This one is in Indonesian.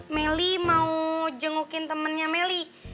meli mau jengukin temennya meli